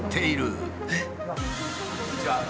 こんにちは。